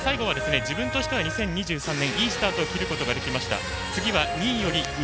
ただ最後は自分としては２０２３年いいスタートを切ることができました。